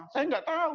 saya gak tahu